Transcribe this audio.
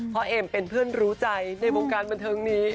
เพราะเอมเป็นเพื่อนรู้ใจในวงการบันเทิงนี้